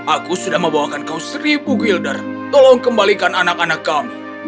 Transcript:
aku sudah membawakan kau seribu gilder tolong kembalikan anak anak kami